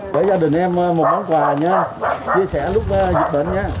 để gia đình em một món quà nhé chia sẻ lúc dịch bệnh nhé